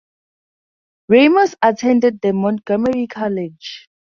Ramos attended the Montgomery College.